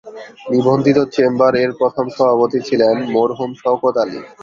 নিবন্ধিত চেম্বার এর প্রথম সভাপতি ছিলেন মরহুম শওকত আলী।